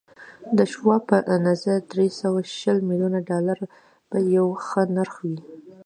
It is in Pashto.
د شواب په نظر دري سوه شل ميليونه ډالر به يو ښه نرخ وي.